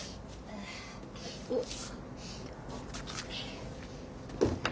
おっ。